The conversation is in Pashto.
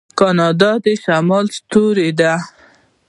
کاناډا د شمال ستوری دی.